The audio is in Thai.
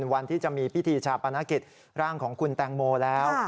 วันที่จะมีพิธีชาปนกิจร่างของคุณแตงโมแล้ว